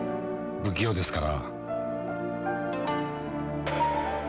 不器用ですから。